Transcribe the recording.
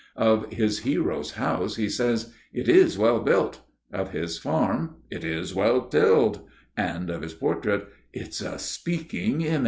Of his hero's house he says: "It is well built"; of his farm: "It is well tilled"; and of his portrait: "It is a speaking image."